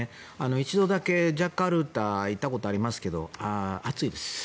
一度だけジャカルタに行ったことがありますが暑いです。